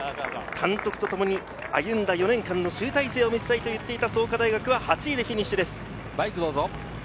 監督とともに歩んだ４年間の集大成を見せたいと言っていた創価大学は８位でフィニッシュです。